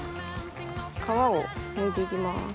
皮をむいて行きます。